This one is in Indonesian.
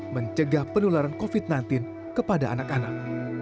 mencegah penularan covid sembilan belas kepada anak anak